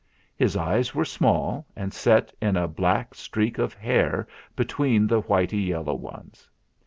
His eyes were small and set in a black streak of hair between the whitey yellow ones.